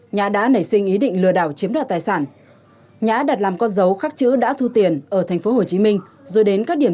nhã đã nảy sinh ý định lừa đảo chiếm đoạt tài sản nhã đặt làm con dấu khắc chữ đã thu tiền ở tp hcm rồi đến các điểm